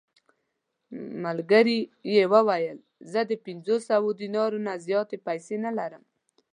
ملګري یې وویل: زه د پنځوسو دینارو نه زیاتې پېسې نه لرم.